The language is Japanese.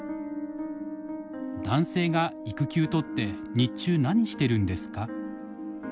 「男性が育休とって日中何してるんですか？」。